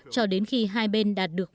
cho đến khi hai bên đạt được